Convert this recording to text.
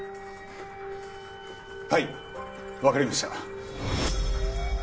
はいわかりました。